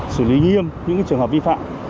xử lý nghiêm những trường hợp vi phạm